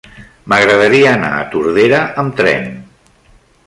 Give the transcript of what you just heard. M'agradaria anar a Tordera amb tren.